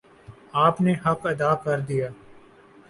آپ نے حق ادا کر دیا